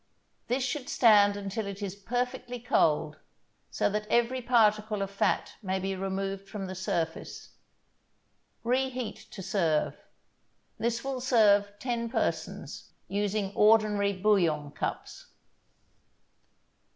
This should stand until it is perfectly cold, so that every particle of fat may be removed from the surface. Reheat to serve. This will serve ten persons, using ordinary bouillon cups.